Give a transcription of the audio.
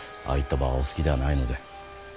ああいった場はお好きではないので。